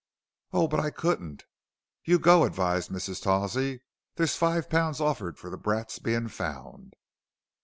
"Oh! but I couldn't " "You go," advised Mrs. Tawsey. "There's five pounds offered for the brat's bein' found."